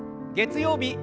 月曜日